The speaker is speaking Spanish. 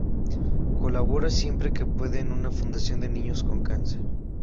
Colabora siempre que puede en una fundación de niños con cáncer.